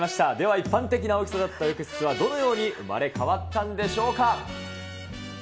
一般的な大きさの浴室は、どのように生まれ変わったんでしょうか。